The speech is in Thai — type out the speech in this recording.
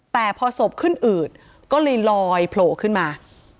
แต่พอศพขึ้นอืดก็เลยลอยโผล่ขึ้นมา